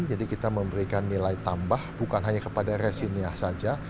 jadi kita memberikan nilai tambah bukan hanya kepada resinnya saja